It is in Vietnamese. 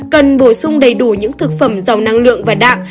cần bổ sung đầy đủ những thực phẩm giàu năng lượng và đạm